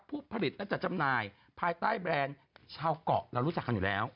ผู้ผลิตนั้นจะจำหน่ายภายใต้แบรนด์ชาวเกาะเรารู้จักกันอยู่แล้ว